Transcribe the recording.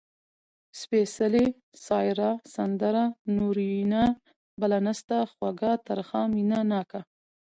سپېڅلې ، سايره ، سندره، نورينه . بله نسته، خوږَه، ترخه . مينه ناکه